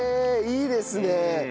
いいですね。